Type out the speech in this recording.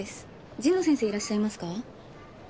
神野先生いらっしゃいますか？